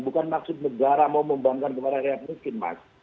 bukan maksud negara mau membangun kemarin rehat miskin mas